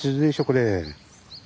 これ。